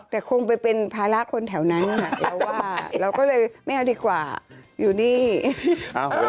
ที่เป็นนู่นนี่เสียอาชีพเสียง